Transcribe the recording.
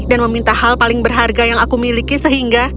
dan meminta hal paling berharga yang aku miliki sehingga